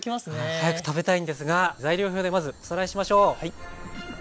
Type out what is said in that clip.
早く食べたいんですが材料表でまずおさらいしましょう。